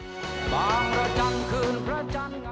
หลังระจันทร์คืนภรรยา